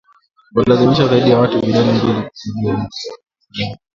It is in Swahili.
kuwalazimisha zaidi ya watu milioni mbili kukimbia nyumba zao katika Sahel